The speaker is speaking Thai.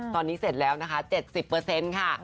ตอนนี้เสร็จแล้วนะคะ๗๐ค่ะ